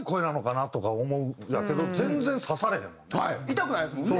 痛くないですもんね